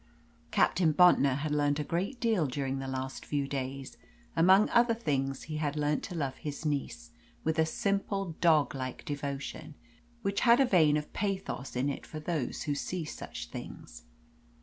Captain Bontnor had learnt a great deal during the last few days; among other things he had learnt to love his niece with a simple, dog like devotion, which had a vein of pathos in it for those who see such things.